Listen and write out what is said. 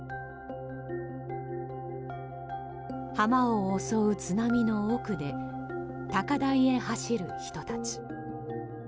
浜を襲う津波の奥で高台へ走る人たち。